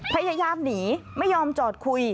พยายามหนีไม่ยอมจอดคุย